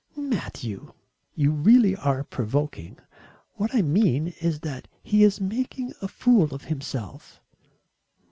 "Matthew, you really are provoking. What I mean is that he is making a fool of himself."